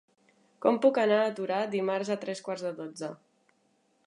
Com puc anar a Torà dimarts a tres quarts de dotze?